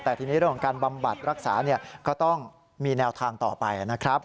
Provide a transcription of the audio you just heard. แต่ทีนี้เรื่องของการบำบัดรักษาก็ต้องมีแนวทางต่อไปนะครับ